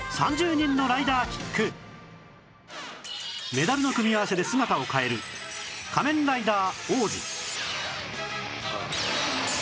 メダルの組み合わせで姿を変える『仮面ライダーオーズ』ハアーッ！